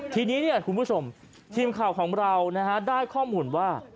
ทีนี้คุณผู้ชมทีมข่าวของเราได้ข้อมูลว่า